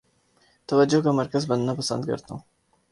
توجہ کا مرکز بننا پسند کرتا ہوں